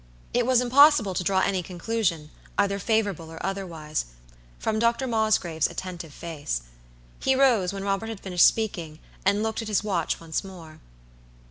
It was impossible to draw any conclusion, either favorable or otherwise, from Dr. Mosgrave's attentive face. He rose, when Robert had finished speaking, and looked at his watch once more.